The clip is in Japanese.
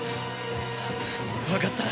わかった。